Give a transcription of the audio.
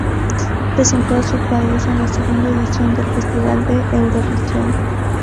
Representó a su país en la segunda edición del Festival de Eurovisión.